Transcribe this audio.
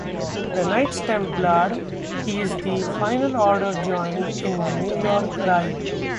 The Knights Templar is the final order joined in the York Rite.